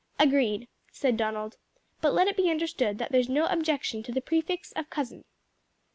"Agreed," said Donald, "but let it be understood that there's no objection to the prefix of cousin."